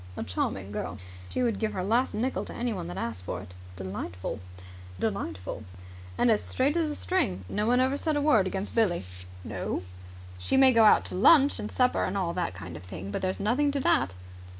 "A charming girl." "She would give her last nickel to anyone that asked for it." "Delightful!" "And as straight as a string. No one ever said a word against Billie." "No?" "She may go out to lunch and supper and all that kind of thing, but there's nothing to that."